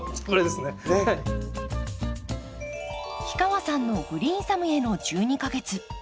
氷川さんの「グリーンサムへの１２か月」